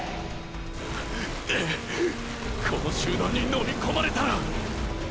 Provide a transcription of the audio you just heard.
この集団にのみ込まれたら！